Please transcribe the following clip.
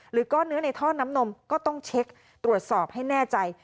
ก้อนเนื้อในท่อน้ำนมก็ต้องเช็คตรวจสอบให้แน่ใจ